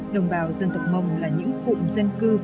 đồng bào dân tộc mông là những cụm dân cư